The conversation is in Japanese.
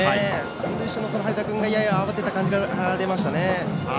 三塁手の張田君がやや慌てた感じがありましたね。